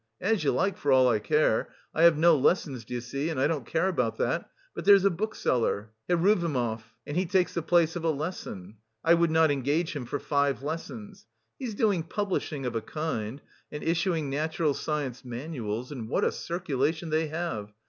As you like for all I care. I have no lessons, do you see, and I don't care about that, but there's a bookseller, Heruvimov and he takes the place of a lesson. I would not exchange him for five lessons. He's doing publishing of a kind, and issuing natural science manuals and what a circulation they have!